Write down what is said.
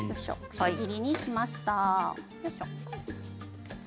くし切りにしました。